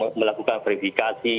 kita sudah melakukan perbicaraan yang sama